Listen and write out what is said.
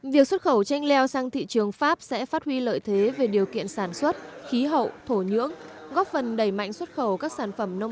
việc xuất khẩu chanh leo sang thị trường pháp sẽ phát huy lợi thế về điều kiện sản xuất khí hậu thổ nhưỡng góp phần đẩy mạnh xuất khẩu các sản phẩm nông sản